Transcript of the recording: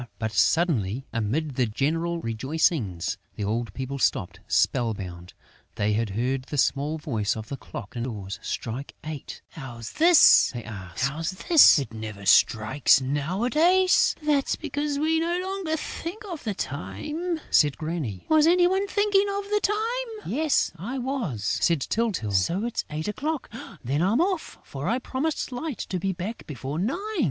But, suddenly, amid the general rejoicings, the old people stopped spell bound: they had heard the small voice of the clock indoors strike eight! [Illustration: The grandparents and grandchildren sat down to supper] "How's this?" they asked. "It never strikes nowadays...." "That's because we no longer think of the time," said Granny. "Was any one thinking of the time?" "Yes, I was," said Tyltyl. "So it's eight o'clock?... Then I'm off, for I promised Light to be back before nine...."